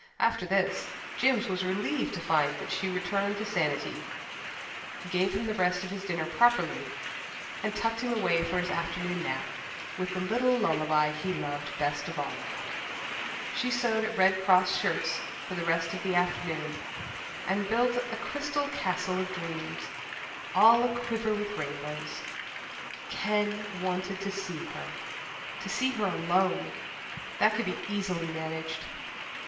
After this Jims was relieved to find that she returned to sanity, gave him the rest of his dinner properly, and tucked him away for his afternoon nap with the little lullaby he loved best of all. She sewed at Red Cross shirts for the rest of the afternoon and built a crystal castle of dreams, all a quiver with rainbows. Ken wanted to see her to see her alone. That could be easily managed.